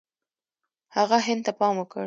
هغه هند ته پام وکړ.